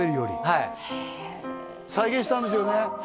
はい再現したんですよね